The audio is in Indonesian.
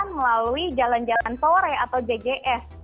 melalui jalan jalan sore atau jgs